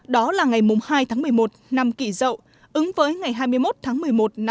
đó là ngày hai tháng một mươi một năm kỷ rậu ứng với ngày hai mươi một tháng một mươi một năm một nghìn chín